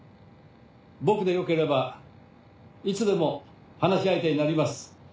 僕でよければいつでも話し相手になります。